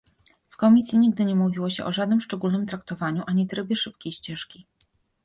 W Komisji nigdy nie mówiło się o żadnym szczególnym traktowaniu ani trybie szybkiej ścieżki